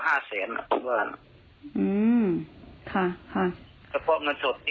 ก็ไม่ได้มีเวลาไปหาน้องหรอกวัดที่๑๒๑๓๑๔